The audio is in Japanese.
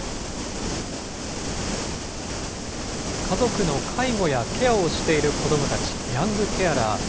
家族の介護やケアをしている子どもたち、ヤングケアラー。